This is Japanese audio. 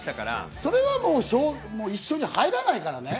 それは１勝に入らないからね。